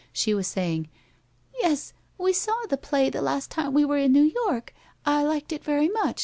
She was saying: "Yes, we saw the play the last time we were in New York. I liked it very much.